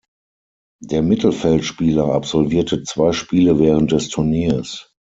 Der Mittelfeldspieler absolvierte zwei Spiele während des Turniers.